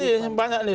ini banyak nih